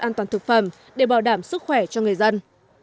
an toàn thực phẩm để bảo đảm sức khỏe cho người dân